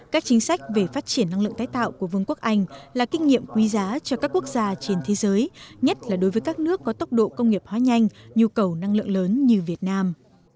các chính sách về phát triển năng lượng tái tạo của vương quốc anh là kinh nghiệm quý giá cho các quốc gia trên thế giới nhất là đối với các nước có tốc độ công nghiệp hóa nhanh nhu cầu năng lượng lớn như việt nam